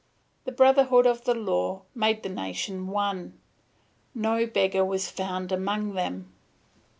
The brotherhood of the Law made the nation one; no beggar was found among them.